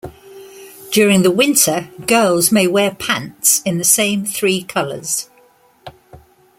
During the winter, girls may wear pants in the same three colors.